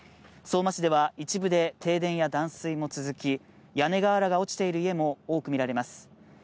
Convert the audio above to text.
相馬市では一部で停電や断水も続き屋根瓦が落ちている家も多く見られます。